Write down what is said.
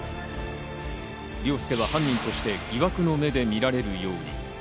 凌介は犯人として疑惑の目で見られるように。